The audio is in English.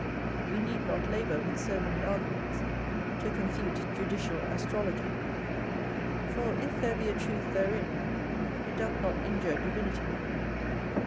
We need not labour, with so many arguments, to confute judicial astrology; for, if there be a truth therein, it doth not injure divinity.